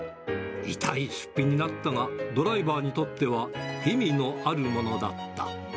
痛い出費になったが、ドライバーにとっては、意味のあるものだった。